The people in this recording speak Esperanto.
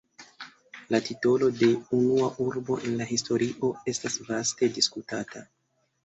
La titolo de "unua urbo en la historio" estas vaste diskutata.